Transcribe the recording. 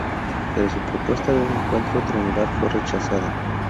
Pero su propuesta de un encuentro triangular fue rechazada.